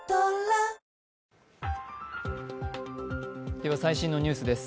では最新のニュースです。